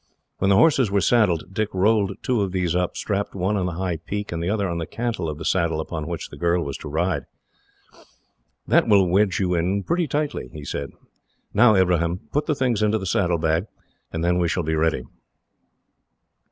When the horses were saddled, Dick rolled two of these up, strapped one on the high peak, and the other on the cantle of the saddle upon which the girl was to ride. "That will wedge you in pretty tightly," he said. "Now, Ibrahim, put the things into the saddlebag, and then we shall be ready."